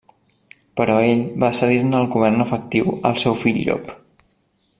Però ell va cedir-ne el govern efectiu al seu fill Llop.